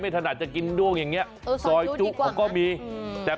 ๓๐๐บาท